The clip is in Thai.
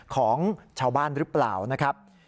ของชาวบ้านหรือเปล่านะครับ